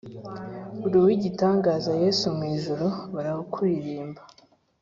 Uruwigitangaza yesu mwijuru barakuririmba